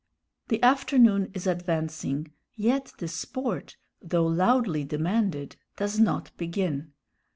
The afternoon is advancing, yet the sport, though loudly demanded, does not begin.